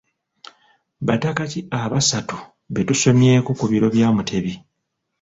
Bataka ki abasatu be tusomyeko ku biro bya Mutebi?